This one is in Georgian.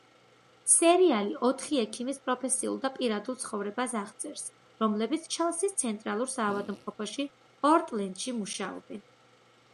სერიალი ოთხი ექიმის პროფესიულ და პირადულ ცხოვრებას აღწერს, რომლებიც ჩელსის ცენტრალურ საავადმყოფოში პორტლენდში მუშაობენ.